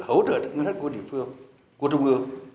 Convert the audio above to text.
không còn nhận hỗ trợ đặc biệt của địa phương của trung ương